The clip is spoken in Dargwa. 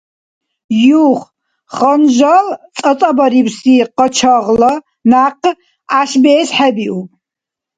Юх, ханжал цӀацӀабарибси къачагъла някъ гӀяшбиэс хӀебиуб